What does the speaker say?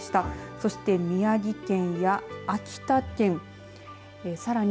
そして宮城県や秋田県さらに